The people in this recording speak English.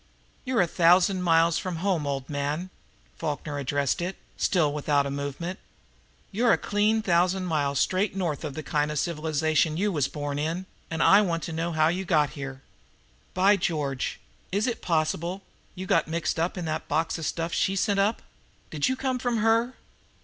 "You're a thousand miles from home, old man," Falkner addressed it, still without a movement. "You're a clean thousand miles straight north of the kind o' civilization you was born in, and I want to know how you got here. By George is it possible you got mixed up in that box of stuff SHE sent up? Did you come from HER?"